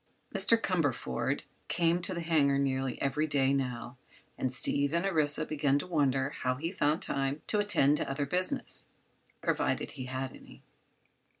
Mr. Cumberford came to the hangar nearly every day, now, and Steve and Orissa began to wonder how he found time to attend to other business—provided he had any.